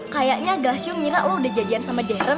kayaknya glasio ngira lo udah jadian sama deren